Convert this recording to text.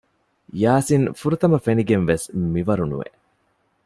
ޔާސިން ފުރަތަމަ ފެނިގެންވެސް މިވަރުނުވެ